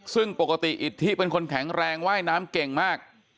ซึ่งปกติอิทธิเป็นคนแข็งแรงว่ายน้ำเก่งมาก